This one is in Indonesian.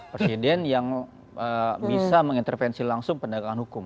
presiden yang bisa mengintervensi langsung penegakan hukum